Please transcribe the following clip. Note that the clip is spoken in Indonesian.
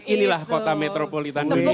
inilah kota metropolitan